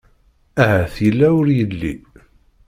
Ahat yella ur yelli.